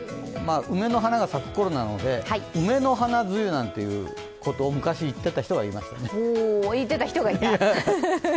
梅の花が咲くごろなので、梅の花梅雨なんてことを言っていた人がいましたね。